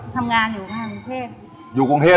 ทำงานอยู่กรุงเทพฯ